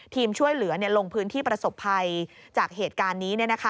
ช่วยเหลือลงพื้นที่ประสบภัยจากเหตุการณ์นี้